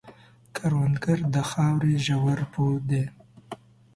کروندګر د خاورې ژور پوه دی